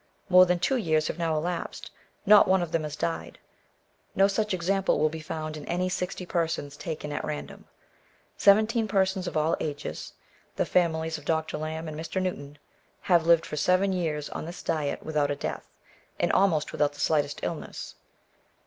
More than two years have now elapsed; not one of them has died; no such example will be found in any sixty persons taken at random. Seventeen persons of all ages (the families of Dr. Lambe and Mr. Newton) have lived for seven years on this diet without a death, and almost without the slightest illness.